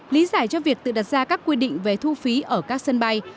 lý giải cho việc tự đặt ra các quy định về thu phí ở các sân bay